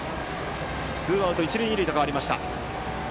ツーアウト、一塁二塁と変わりました。